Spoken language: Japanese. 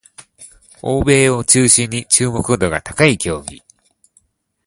欧米を中心に注目度が高い競技